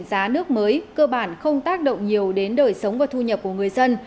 giá nước mới cơ bản không tác động nhiều đến đời sống và thu nhập của người dân